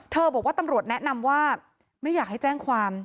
บอกว่าตำรวจแนะนำว่าไม่อยากให้แจ้งความ